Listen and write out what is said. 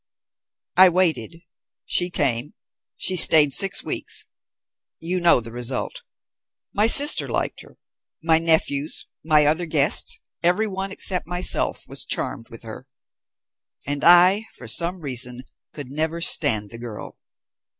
"I waited; she came; she stayed six weeks. You know the result. My sister liked her; my nephews, my other guests, every one, except myself, was charmed with her. And I, for some reason, could never stand the girl.